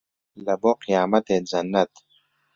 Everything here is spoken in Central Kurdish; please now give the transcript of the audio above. لە بۆ قیامەتێ جەننەت